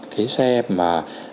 cái xe mà